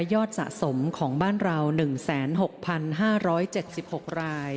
อดสะสมของบ้านเรา๑๖๕๗๖ราย